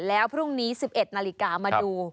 แล้วพรุ่งนี้๑๑นาฬิกามาดู